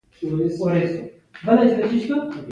چې د باران او واورې اوبه د ځمکې پر مخ بهېږي.